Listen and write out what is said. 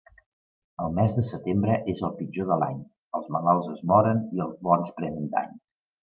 El mes de setembre és el pitjor de l'any; els malalts es moren i els bons prenen dany.